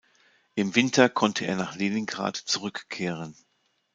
Im Winter konnte er nach Leningrad zurückkehren.